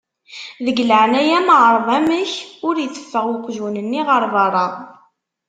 Deg leεnaya-m εreḍ amek ur iteffeɣ uqjun-nni ɣer berra.